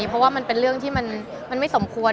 เพราะว่ามันเป็นเรื่องที่มันไม่สมควร